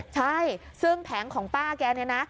ใช่ซึ่งแผงของป้าแกเนี่ยนะ